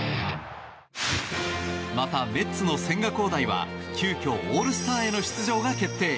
またメッツの千賀滉大は急きょ、オールスターへの出場が決定。